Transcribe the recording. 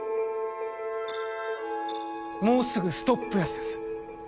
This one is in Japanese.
もうすぐストップ安です